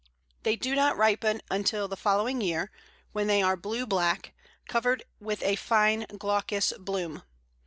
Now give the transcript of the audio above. They do not ripen until the following year, when they are blue black, covered with a fine glaucous bloom.